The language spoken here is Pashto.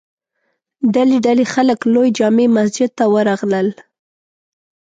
ډلې ډلې خلک لوی جامع مسجد ته ور راغلل.